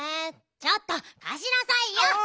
ちょっとかしなさいよ。